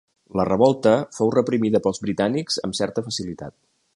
La revolta fou reprimida pels britànics amb certa facilitat.